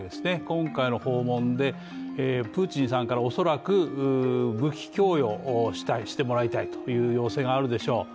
今回の訪問で、プーチンさんから恐らく武器供与してもらいたいという要請があるでしょう。